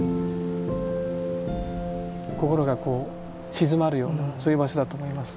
心が静まるようなそういう場所だと思います。